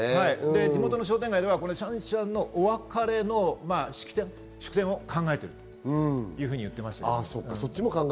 地元ではシャンシャンのお別れの式典を考えているというふうに言っていました。